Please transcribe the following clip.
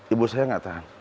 ibu saya gak tahan